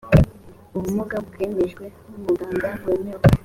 ubumuga bwemejwe n’umuganga wemewe